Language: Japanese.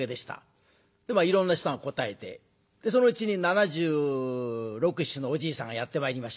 いろんな人が答えてそのうちに７６７７のおじいさんがやって参りました。